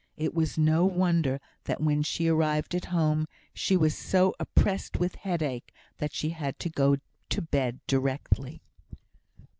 It was no wonder that when she arrived at home, she was so oppressed with headache that she had to go to bed directly.